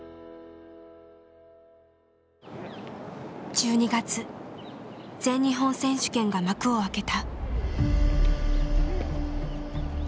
１２月全日本選手権が幕を開けた。